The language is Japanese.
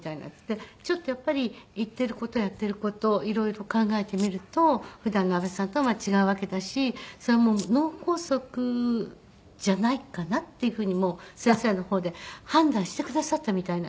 でちょっとやっぱり言っている事やっている事色々考えてみると普段のあべさんとは違うわけだしそれもう脳梗塞じゃないかなっていうふうにもう先生の方で判断してくださったみたいなんです。